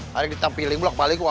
harus ditampiling pula kepaliku apa